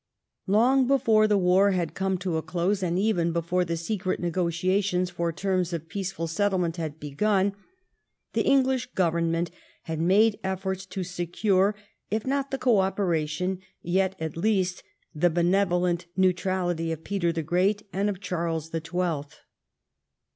Long before the war had come to a close, and even before the secret negotiations for terms of peaceful settlement had begun, the English Govern ment had made efforts to secure if not the co opera tion yet, at least, the benevolent neutrality of Peter the Great and of Charles the Twelfth.